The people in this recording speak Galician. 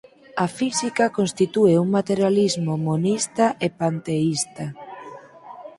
A física constitúe un materialismo monista e panteísta.